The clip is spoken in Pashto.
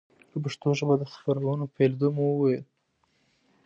په پښتو ژبه د خپرونو پیلېدو مو وویل.